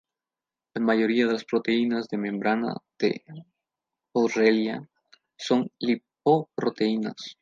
La mayoría de las proteínas de membrana de "Borrelia" son lipoproteínas.